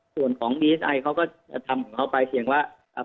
ส่วนของดีเอสไอเขาก็จะทำของเขาไปเพียงว่า